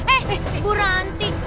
eh bu ranti